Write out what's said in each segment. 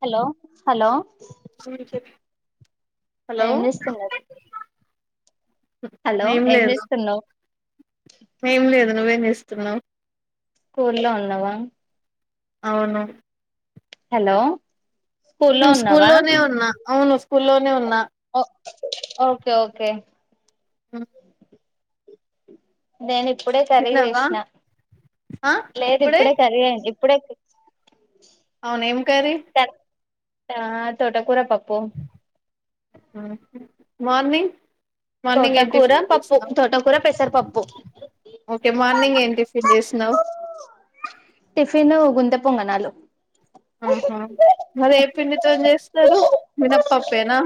Hello hello hello ఏం చేస్తున్నారు hello మేం ఏం లేదు చేస్తున్నవ్ మేం లేదు నువ్వేం చేస్తున్నావు స్కూల్లో ఉన్నవా అవును హలో స్కూల్లో స్కూఉమ్ ఉన్నావా ల్లోనే ఉన్నా అవును స్కూల్లోనే ఉన్నా ఒ ఓకే ఓకే ఉ నేను ఇప్పుడే కర్రీ తిన్నావా చేశిన లేదు ఇప్పుడే కర్రీ అండి ఇప్పుడే అవున ఏం కర్రి కర్ ఆ తోట కూర పప్పు ఆహా మార్నింగ్ మార్నింగ్ ఏం తోటకూర టిఫిన్ పప్పు చేసినావ్ తోటకూర పెసరపప్పు ఓకే మార్నింగ్ ఏం టిఫిన్ చేసినవ్ త్త పొంగనాలు ఆహా మరి ఏ పిండితో చేస్తారు మినప్పప్పేనా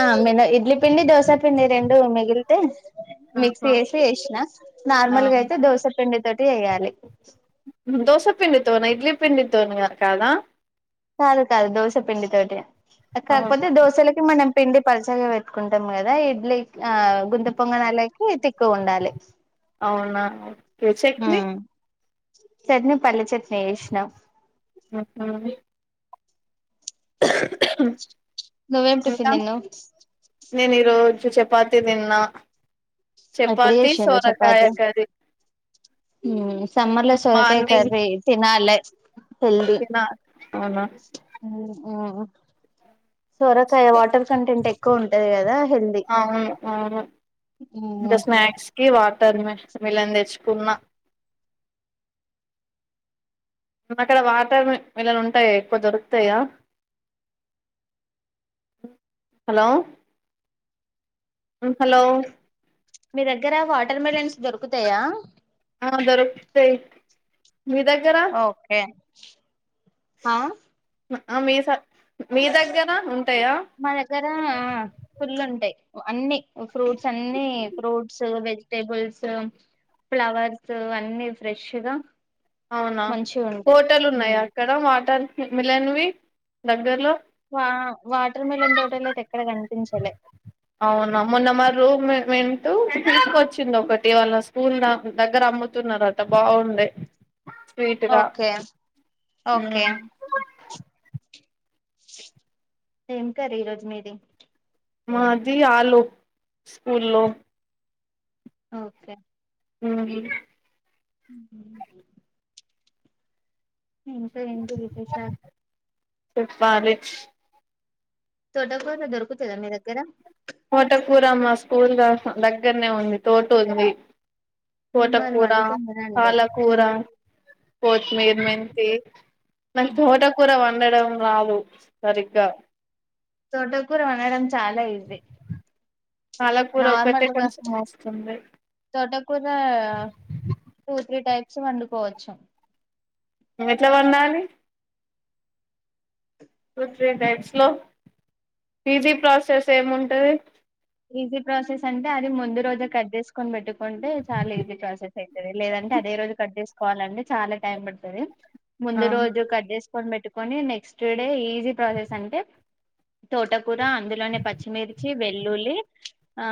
ఆ మిన ఇడ్లీ పిండి దోసా పిండి రెండు మిగిలితే మిక్సీ ఆహా వేసి చేసినా ఆ నార్మల్గా అయితే దోస పిండి తోటీ చేయాలి పిండితోన ఇడ్లీ పిండితోని కాదా కాదు కాదు దోశ పిండి తోటి కాకపోతే దోశలకి మనం పిండి పలుచగా పెట్టుకుంటం కదా ఇడ్లీ ఆ గుంత పొంగణాలకి తిక్కుగా ఉండాలి అవునా ఓకే చట్ని చట్నీ పల్లి చట్నీ చేసినాం ఉహు నువేం టిఫిన్ తిన్నవ్ చపాతీ తిన్నా ఎప్పుడు చపాతి సోరకాయ కర్రి సమ్మర్ల సోరకాయ కర్రీ తినాలే హెల్తీ తిన అవునా సొరకాయ వాటర్ కంటెంట్ ఎక్కువ ఉంటది కదా హెల్దీ అవును అవును ఇంకా స్నాక్స్ కి వాటర్ మిలన్ తెచ్చుకున్న అక్కడ వాటర్ మిలన్ ఉంటయా ఎక్కువ దొరుకుతయా హలో హలో మీ దగ్గర వాటర్ మిలన్స్ దొరుకుతయా ఆ దొరుకుతయి మీ దగ్గర ఓకే ఆ మీ స మీ దగ్గర ఉంటాయా మా దగ్గర ఆ ఆ ఫుల్లుంటా టాయి అన్ని ఫ్రూట్స్ అన్ని ఫ్రూట్స్ వెజిటేబుల్స్ ఫ్లవర్స్ అన్ని ఫ్రెష్గా అవునా తోటల్ ఉన్నాయా అక్కడ వాటర్ మిలన్వి దగ్గర్లో వా వాటర్ మిలన్ తోటలయితే ఎక్కడ కనిపించాలే అవునా మొన్న మ రూమ్ వెంట్ తీసుకొచ్చింది ఒకటి వాళ్ళ స్కూల్ దగ్గర అమ్ముతున్నారు అట బాగుండే స్వీట్ గా ఓకే ఓకే ఏం కర్రీ ఈ రోజు మీది మాది ఆలు స్కూలో ఓకే ఉ ఇంకా ఏంటి విశేషాలు చెప్పాలే తోట కూరా దొరుకుతుందా మీ దగ్గర తోట కూర మా స్కూల్ దగ్గరనే ఉంది తోట ఉంది మరి తోటకూర వండుకొని తినండి పాలకూర కోతిమీర్ మెంతి మల తోట కూర వండడం రాదు సరిగ్గా తోట కూర వండడం చాలా ఈజీ పాలకూర ఒటే కొంచం వస్తుంది ఇలా కూడా టూ త్రీ టైప్స్ వండుకోవచ్చు ఎట్లా వండాలి టూ త్రీ టైట్స్ లో ఈజీ ప్రాసెస్ ఏముంటది ఈజీ ప్రాసెస్ అంటే అది ముందు రోజే కట్ చేసుకుని పెట్టుకుంటే చాలా ఈజీ ప్రాసెస్ అవుతుంది లేదంటే అంటే అదే రోజు కట్ చేసుకోవాలి ఆ ముందు రోజు కట్ చేసు కోని పెట్టుకని నెక్స్ట్ డే ఈజీ ప్రాసెస్ అంటే తో కూరా అందులోనే పచ్చిమిర్చి వెల్లులి ఆ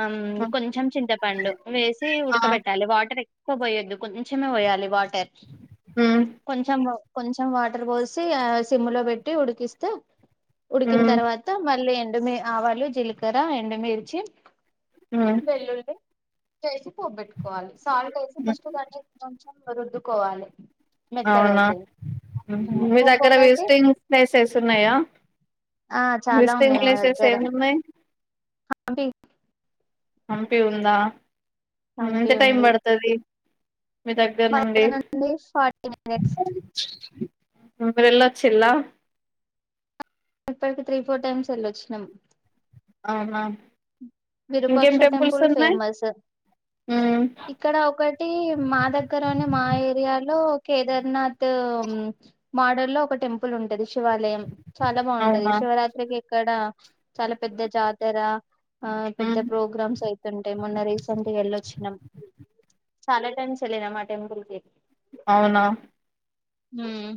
కొంచెం చింతపండు వేసి ఆ ఉడకబెట్టాలి వాటర్ ఎ క్కువ పోయొద్దు కొంచమే పోయాలి వాటర్ ఉమ్ కొంచెం కొంచెం వాటర్ పోసి ఆ సిమ్ లో పెట్టి ఉడికిస్తే ఉడికిన ఉమ్ తర్వాత మళ్ళీ ఎండు ఆవాలు జీలకర్ర ఎండుమిర్చి ఉమ్ వెల్లుల్లి చేసి పోపు పెట్టుకోవాలి సాల్ట్ వేసి ఫస్ట్ దాన్ని రుద్దుకోవాలి మెత్తగా అవునా అవుతది మీ దగ్గర ఇంకొకటి విజిటింగ్ ప్లేసెస్ ఉన్నాయా ఆ చాలా విసిటింగ్ ఉన్నాయి మా ప్లేసెస్ దగ్గర ఏం ఉన్నాయ్ హంపి అంపీ ఉందా ఎంత హంపి టైం ఉంది పడుతది మీ దగ్గర నుండి [unintelligible] మినిట్స్ మీరెల్లి వచ్చిలా ఇప్పటికి త్రీ ఫోర్ టైమ్స్ వెళ్ళొచ్చినాము అ విరుపాక్ష టెంపుల్ ఫేమస్ ఉమ్ ఇక్కడ ఒకటి మా దగ్గరన మా ఏరియాలో కేదార్నాథ్ మాడర్ లో ఒక టెంపుల్ ఉంటది శివాలయం చాలా బాగుంటది అవునా శివరాత్రికి ఇక్కడ చాలా పెద్ద జాతర ఆ పెద్ద ఉమ్ ప్రోగ్రామ్స్ అయితుంటాయి మొన్న రీసెంట్ గా వెళ్ళొచ్చినాము చాలా టైమ్స్ ఎల్లినం ఆ టెంపుల్ కి అవునా. ! ఊహ్మ్.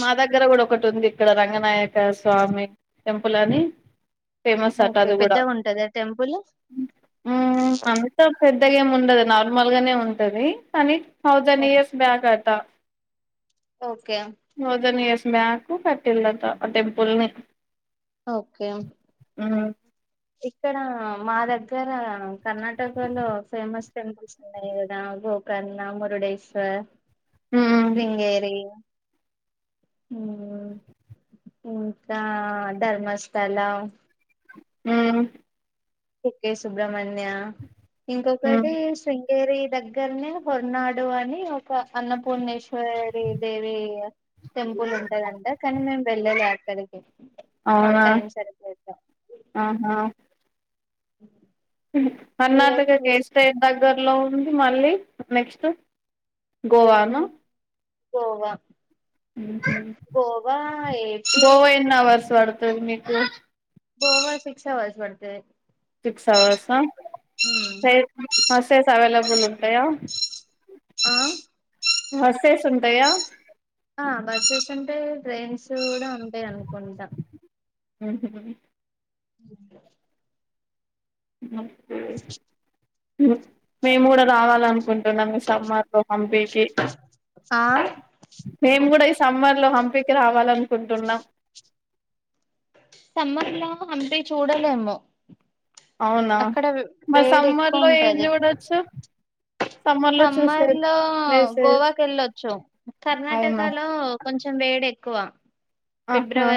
మా దగ్గర గూడా ఒకటుంది. ఇక్కడ రంగనాయక స్వామి టెంపులని. ఫేమసాట ఓకే అది గూడా. పెద్దగా ఉంటదా టెంపుల్ ఊ అంతా పెద్. ద్దగెం ఉండదు నార్మల్ గానే ఉంటది. కానీ థౌజెన్ ఇయర్స్ బ్యాక్ అటా. ! ఓకే తౌజెన్ ఇయర్స్ బ్యాకు కట్టిలట ఆ టెంపుల్ని. ! ఓకే. హ్హ. ఇక్కడ, మా దగ్గర, కర్ణాటకలో ఫేమస్ టెంపుల్స్ ఉన్నాయి గదా. ! గోకర్ణ, మురుడేశ్వర్, మ్మ్ శృంగేరి. ఊమ్మ్. ఇంకా ధర్మస్థల. మ్మ్మ్. ఎకే సుబ్రమణ్య, మ్మ్ ఇంకొకటి శ్రీ. గేరి దగ్గర్నే హొర్నాడు అని ఒక అన్నపూర్ణేశ్వరి దేవి. టెంపులుంటదంట. కానీ మేము వెళ్ళాలె అక్కడికి. మాకు అవునా! టైం సరిపోక ఆహా. ! మీరే కర్ణాటక కేస్టైట్ దగ్గర్లో ఉంది మళ్ళీ నెక్స్ట్.? గోవాను. గోవా. ఊహూ. గోవా ఏపీ గోవా ఎన్ అవర్స్ వడుతది మీకు.? గోవా సిక్స్ అవర్స్ బడుతది. సిక్స్ అవర్సా. ! సే బస్సెస్ అవెలబ్. బులుంటయా.? ! ఆ. బస్సెసుంటయా.? ఆ బస్సెసుంటాయ్, ట్రైన్స్ గూడా ఉంటాయనుకుంటా. ! ఆహా. ఉ ఊ ఒకే. మేము గూడా రావాలనుకుం. టునం సమ్మర్లో హంపికి. ఆ మేము గూడా ఇస్. సమ్మర్లో హంపికి రావాలనుకుంటున్నాం. సమ్మర్లో హంపి చూడలెమ్ము. అవునా అక్కడవ్ మరి వేడి సమ్మర్ ఎక్కువ లో ఏం ఉంటది. చూడొచ్చు లో చూసే సమ్మర్ లో, ప్లేసెస్ గోవాకెళ్ళొచ్చు. అవునా కర్ణాటకలో కొంచం. చెం వేడెక్కువ. ఆహ్హ. !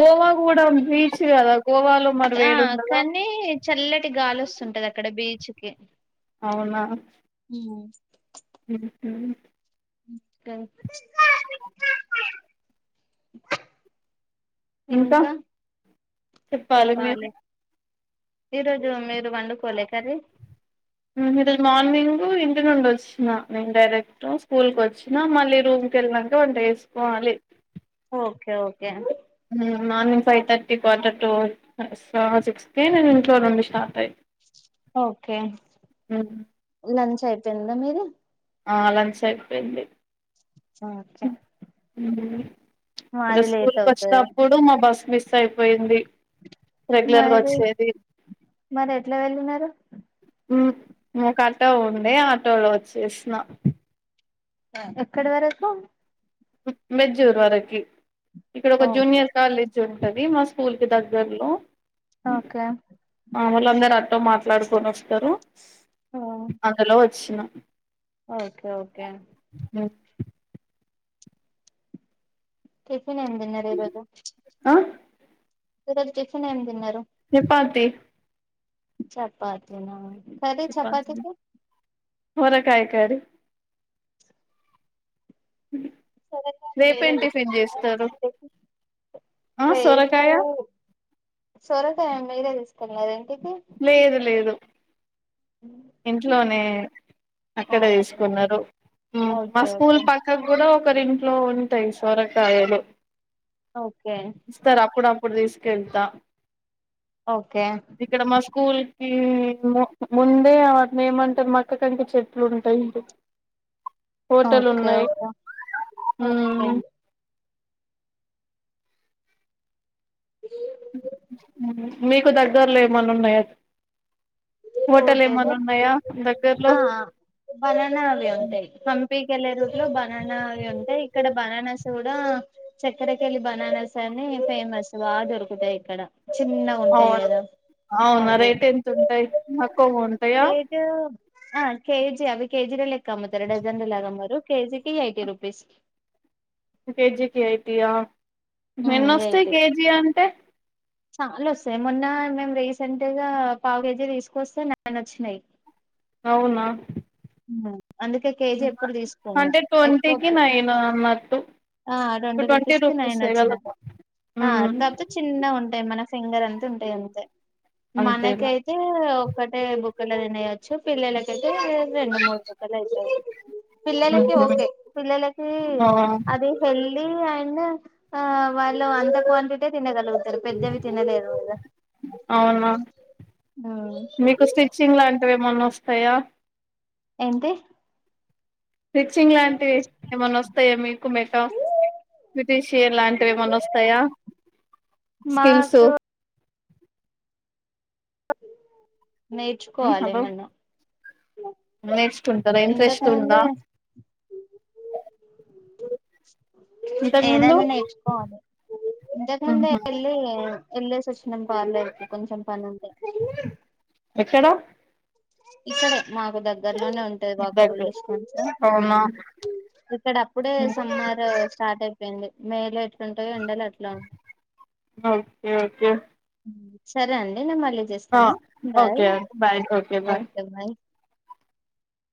గోవా గూడా బీచ్ గదా. ! ఆ కానీ చల్లటి గాలొస్తుంటది అక్కడ బీచ్కి. అవునా. ! హ్మ్. ఉహ్హు. ఒకే. ఇంకా.? చెప్పాలి మీరె. ఈరోజు మీరు వండుకోలే కర్రీ.? ఊమ్మ్ ఈరోజు మార్నింగ్ ఇంటినుండొచ్చిన నేను డైరెక్ట్ స్కూల్ కొచ్చిన మళ్ళీ రూం. కెల్నంక వంట ఏసుకోవాలి. Okay okay. ఊహ్మ్, morning five thirty, quarter to సా సిక్స్ కీ నేను ఇంట్లో నుండి స్టార్ట్ అయి. ఓకే లంచ్ అయిపోయిందా మీది ఆ లంచ్ అయిపోయింది ఓకే ఉమ్ ఇదో మాది లేట్ స్కూల్కి అవుతది వచ్చినప్పుడు మా బస్సు మిస్ అయిపోయింది రెగ్యులర్ గా మరి వచ్చేది మరి ఎట్లా వెళ్ళినారు ఉమ్ ఒక అటో ఉండే ఆటోలో వచ్చేసిన ఎక్కడ వరకు బెజూర్ వరకి ఇక్కడ ఒక ఓకే జూనియర్ కాలేజ్ జ్ ఉంటది మా స్కూల్ కి దగ్గర్లో ఓకే మామలు అందరుూ ఆటో మాట్లాడుకొని వస్తారు అందులో వచ్చిన ఓకే ఓకే టిఫెన్ ఏం తిన్నారు ఈరోజు ఆ ఈ రోజు టిఫిన్ ఏమి తిన్నారు చపాతీ చపాతిన సరే చపాతీకి సోరకాయ కర్రీ సొరకాయి మీరే రేపేం టిఫిన్ చేసుకున్నారా చేస్తారు దాంట్లోకి ఆ రేపు సొరకాయ సొరకాయ మీరే తీసుకున్నదే లేదు లేదు ఇంట్లోనే అక్కడ ఓకే వేసుకున్నారు ఉమ్ మా ఓకే స్కూల్ ఓకే పక్కకు కూడా ఒకరి ఇంట్లో ఉంటాయి సొరకాయలు ఓకే ఇస్తారు అప్పుడప్పు అప్పుడు తీసుకెళ్తా ఓకే ఇక్కడ మా స్కూల్ కి ముందే వాటిని ఏమంటారు మొక్క కంకి చెట్లు ఉంటాయ్ ఓకేఓకే ఓకే ఉమ్ ఇ మీకు దగ్గరలో ఏమన్నా ఉన్నాయా హోటల్ ఏమన్న ఉన్నాయా దగ్గరలో ఆ బనానాలు అవి ఉంటాయ్ పంపీకి వెళ్ళే రూట్లో బనానా ఉంటాయి ఇక్కడ బనానాస్ కూడా చక్కరకెలి బనానాస్ అని ఫేమస్ బాగా దొరుకుత్ తాయ్ ఇక్కడ చిన్న గ ఉంటాయి అవును కదా అవునా అవే రేట్ ఎంత ఉంటాయి తక్కువ ఉంటాయా లేదు ఆ కేజీ అవి కేజీలో లెక్క అమ్ముతారు డజన్ ల లాగా అమ్మరు కేజీకి ఎయిటీ రూపీస్ కేజీకి అఐతయా ఎన్నొస్తాయ్ ఎయిటీ కేజీ అంటే చాలా వస్సాయి మొన్న మేము రీసెంట్గా పావు కేజీ తీసుకొస్తే నైనొచ్చినాయ్ అవునా అందుకే కేజీ ఎప్పుడు తీసుకోము అంటే ఎక్కువ ట్వంటీకి నైన్ అన్నట్టు ఆ ట్వంటీ రూపీస్ కి నైన్ రూపీసే వచ్చిన కదా ఆ ఉమ్ కాకపోతే చిన్నగ ఉంటాయ్ మన ఫింగర్ అంతే ఉంటాయి అంతే అంతేనా మనకైతే ఓ క్ ఒక్కటే బుక్కల్లో తినేయొచ్చు పిల్లలకైతే తే రెండు మూడు బుక్కలు అయితాది పిల్లలకి ఉహు ఓకే పిల్లలకి ఆ పెళ్ళి అండ్ ఆ వాళ్ళు అంత క్వాంటిటె తినగలుగు తారు పెద్దవి తినలేరు గద అవునా మీకు స్టిచ్చింగ్ లాంటివి ఏమన్నా వస్తాయా ఎంటీ రిచ్చింగ్ లాంటివి ఏమన్నా వస్తాయా మీకు మెటా బ్రిటిషియన్ లాంటివి ఏమనా వస్తాయా స్కిల్స్ మాకు హలో నేర్చుకోవాలేమన్న నేర్చుకుంటారా ఇంట్రెస్ట్ ఇంతకుముందె ఉందా ఇంతకు ముందు ఏదన్నా నేర్చుకోవాలి ఇంతకు ముందే ఉహు వెళ్ళి వెళ్లేసి వచ్చినం పార్లర్ కి కొంచెం పనుండే ఎక్కడ ఇక్కడ మాకు దగ్గర లోనే ఉంటది మీ వాకబుల్ దగ్గర డిస్టెన్స్ లో అవునా ఇక్కడ అప్పుడే సమ్మరు స్టార్ట్ అయిపోయింది మేలో ఎట్లుంటయో ఎండలు అట్లా ఉం ఓకే ఓకే సరే అండి నేను మళ్ళీ చేస్తాను బాయ్ ఓకే బాయ్